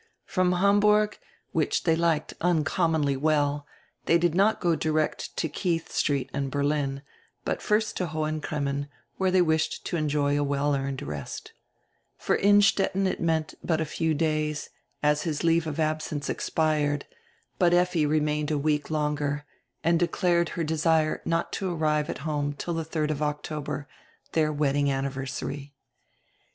From Hamburg, which they liked uncom monly well, they did not go direct to Keith St. in Berlin, but first to Hohen Cremmen, where they wished to enjoy a well earned rest For Innstetten it meant but a few days, as his leave of absence expired, but Effi remained a week longer and declared her desire not to arrive at home till the 3d of October, their wedding anniversary.